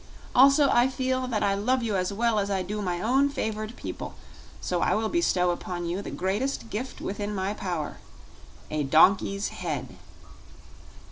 Also, I feel that I love you as well as I do my own favored people, so I will bestow upon you the greatest gift within my power a donkey's head."